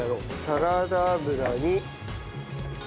サラダ油に。